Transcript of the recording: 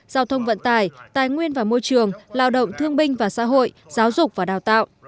giao thông vận tài tài nguyên và môi trường lao động thương binh và xã hội giáo dục và đào tạo